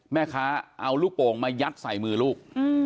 แม่ค้าเอาลูกโป่งมายัดใส่มือลูก